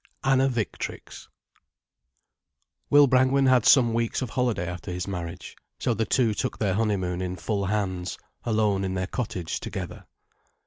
ANNA VICTRIX Will Brangwen had some weeks of holiday after his marriage, so the two took their honeymoon in full hands, alone in their cottage together.